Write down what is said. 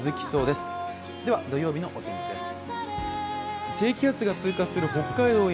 では、土曜日のお天気です。